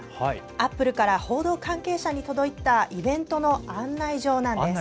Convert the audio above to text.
アップルから報道関係者に届いたイベントの案内状なんです。